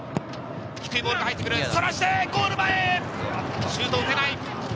低いボールが入ってくる、すらしてゴール前、シュートを打てない。